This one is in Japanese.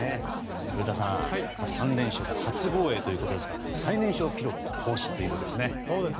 古田さん、３連勝で初防衛ということですが最年少記録も更新ということですね。